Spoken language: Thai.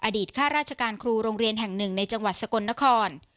ข้าราชการครูโรงเรียนแห่งหนึ่งในจังหวัดสกลนคร